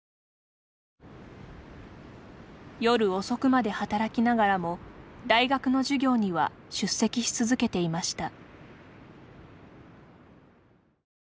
夜遅くまで働きながらも大学の授業には出席し続けていました。